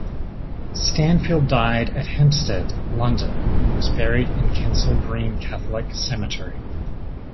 Stanfield died at Hampstead, London, and was buried in Kensal Green Catholic Cemetery.